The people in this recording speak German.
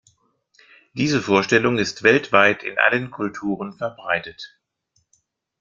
Diese Vorstellung ist weltweit in allen Kulturen verbreitet.